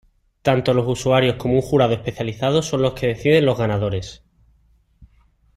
Tanto los usuarios como un jurado especializado son los que deciden los ganadores.